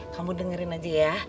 kamu dengerin aja ya